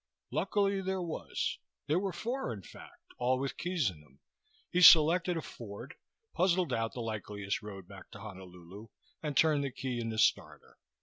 Luckily, there was. There were four, in fact, all with keys in them. He selected a Ford, puzzled out the likeliest road back to Honolulu and turned the key in the starter.